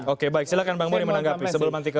oke baik silahkan bang boni menanggapi sebelum nanti ke